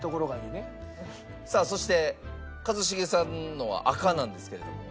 さあそして一茂さんのは赤なんですけれども。